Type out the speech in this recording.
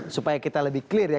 supaya kita lebih clear ya